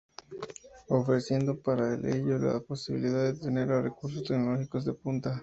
Ofreciendo para el ello la posibilidad de tener a recursos tecnológicos de punta.